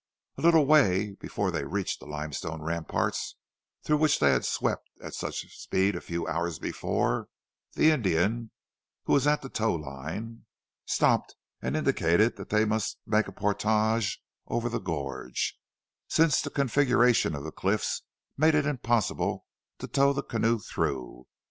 A little way before they reached the limestone ramparts through which they had swept at such speed a few hours before, the Indian, who was at the towline, stopped and indicated that they must make a portage over the gorge, since the configuration of the cliffs made it impossible to tow the canoe through.